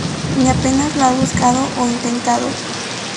Ni apenas lo ha buscado o intentado.